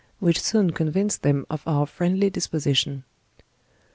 which soon convinced them of our friendly disposition.